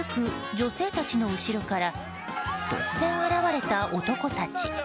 女性たちの後ろから突然、現れた男たち。